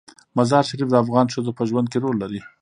مزارشریف د افغان ښځو په ژوند کې رول لري.